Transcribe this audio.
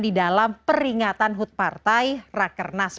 di dalam peringatan hut partai rakernas